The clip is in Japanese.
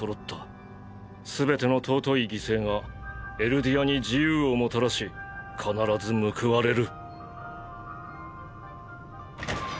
すべての尊い犠牲がエルディアに自由をもたらし必ず報われる。